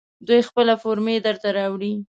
دوی خپله فورمې درته راوړي.